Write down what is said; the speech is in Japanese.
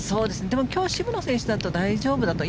でも、今日の渋野選手だと大丈夫かと。